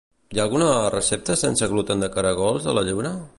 Hi ha alguna recepta sense gluten de caragols a la lluna?